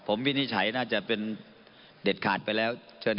เพราะวะจะทำวินิชัยน่าจะเป็นเด็ดขาดไปแล้ว